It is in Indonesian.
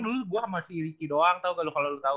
dulu gue sama si ricky doang tau gak lu kalo lu tau